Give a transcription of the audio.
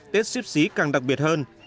tết xếp xí càng đặc biệt hơn